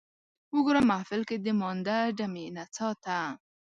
وګوره محفل کې د مانده ډمې نڅا ته